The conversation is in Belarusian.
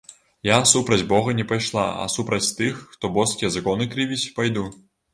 Я супроць бога не пайшла, а супроць тых, хто боскія законы крывіць, пайду.